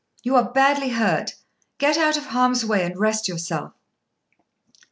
You are badly hurt; get out of harm's way, and rest yourself."